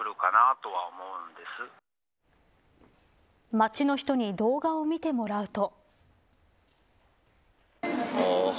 街の人に動画を見てもらうと。